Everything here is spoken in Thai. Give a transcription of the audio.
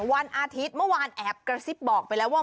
วันอาทิตย์เมื่อวานแอบกระซิบบอกไปแล้วว่า